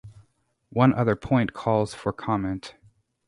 One other point calls for comment.